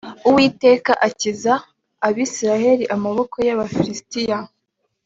uwiteka akiza abisirayeli amaboko y abafilisitiya